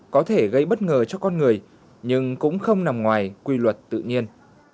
có thể gây bất ngờ cho con người nhưng cũng không nằm ngoài quy luật tự nhiên